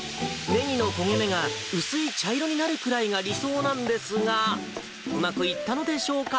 ネギの焦げ目が薄い茶色になるくらいが理想なんですが、うまくいったのでしょうか。